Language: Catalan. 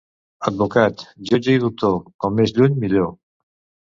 Advocat, jutge i doctor, com més lluny millor.